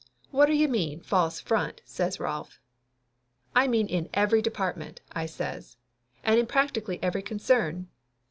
"Whatter you mean, false front?" says Rolf. "I mean in every department!" I says. "And in practically every concern.